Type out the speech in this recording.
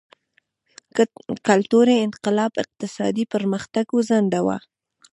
کلتوري انقلاب اقتصادي پرمختګ وځنډاوه.